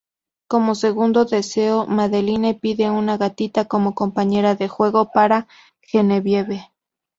Como segundo deseo, Madeline pide una gatita como compañera de juego para Genevieve.